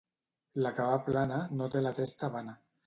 La que va plana, no té la testa vana.